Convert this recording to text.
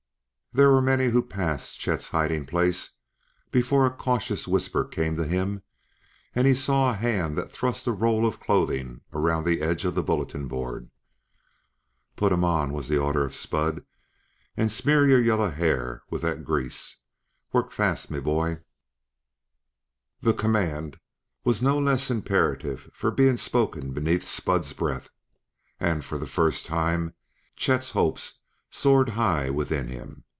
There were many who passed Chet's hiding place before a cautious whisper came to him and he saw a hand that thrust a roll of clothing around the edge of the bulletin board. "Put 'em on!" was the order of Spud. "And smear your yellah hair with the grease! Work fast, me bhoy!" The command was no less imperative for being spoken beneath Spud's breath, and for the first time Chet's hopes soared high within him.